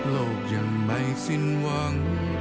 โลกยังไม่สิ้นหวัง